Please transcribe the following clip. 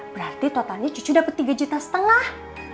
berarti totalnya cucu dapat tiga juta setengah